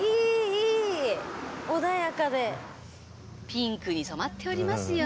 ピンクに染まっておりますよ。